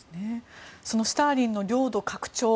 スターリンの領土拡張